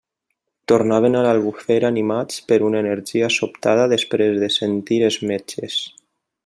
Tornaven a l'Albufera animats per una energia sobtada després de sentir els metges.